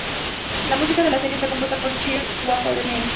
La música de la serie está compuesta por Cher Watanabe.